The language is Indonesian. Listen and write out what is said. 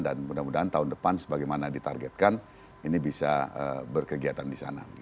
dan mudah mudahan tahun depan sebagaimana ditargetkan ini bisa berkegiatan di sana